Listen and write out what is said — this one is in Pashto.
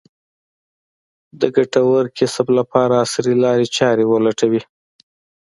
د ګټور کسب لپاره عصري لارې چارې ولټوي.